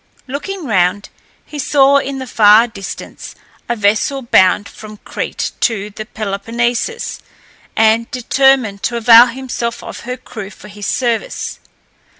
Looking round, he saw in the far distance a vessel bound from Crete to the Peloponnesus, and determined to avail himself of her crew for his service.